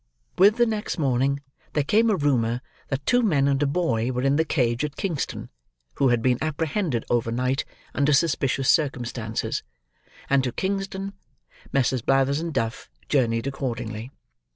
With the next morning, there came a rumour, that two men and a boy were in the cage at Kingston, who had been apprehended over night under suspicious circumstances; and to Kingston Messrs. Blathers and Duff journeyed accordingly.